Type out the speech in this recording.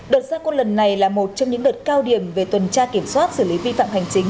đợt gia quân lần này là một trong những đợt cao điểm về tuần tra kiểm soát xử lý vi phạm hành chính